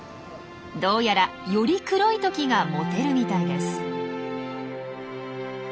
どうやらより黒いトキがモテるみたいです。